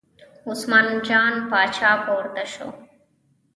عثمان جان پاچا پورته شو.